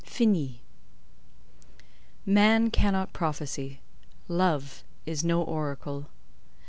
FINIS. Man cannot prophesy. Love is no oracle.